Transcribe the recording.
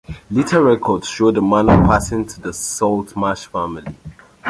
Later records show the manor passing to the "Saltmarsh" family.